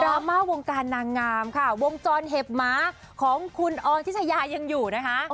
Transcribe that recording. ราม่าวงการนางงามค่ะวงจรเห็บหมาของคุณออนทิชยายังอยู่นะคะ